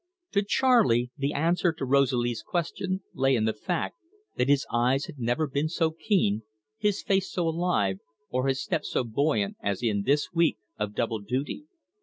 To Charley the answer to Rosalie's question lay in the fact that his eyes had never been so keen, his face so alive, or his step so buoyant as in this week of double duty.